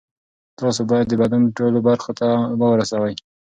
تاسو باید د بدن ټولو برخو ته اوبه ورسوي.